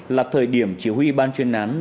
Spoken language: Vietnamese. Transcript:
là thời điểm chỉ huy ban chuyên án